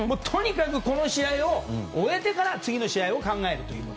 とにかく、この試合を終えてから次の試合を考える。